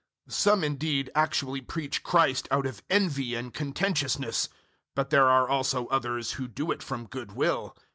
001:015 Some indeed actually preach Christ out of envy and contentiousness but there are also others who do it from good will.